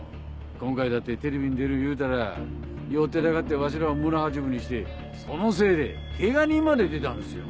今回だってテレビに出る言うたら寄ってたかってわしらを村八分にしてそのせいでケガ人まで出たんですよ。